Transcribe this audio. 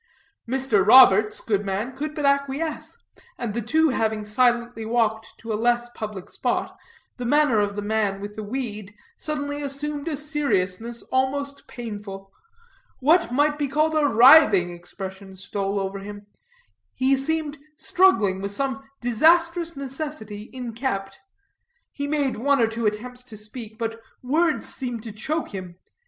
Mr. Roberts, good man, could but acquiesce, and the two having silently walked to a less public spot, the manner of the man with the weed suddenly assumed a seriousness almost painful. What might be called a writhing expression stole over him. He seemed struggling with some disastrous necessity inkept. He made one or two attempts to speak, but words seemed to choke him.